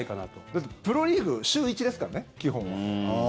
だって、プロリーグ週１ですからね、基本は。